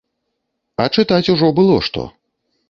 А чытаць ужо было што.